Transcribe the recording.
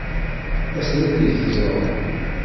As-d ad iyi-teẓṛeḍ.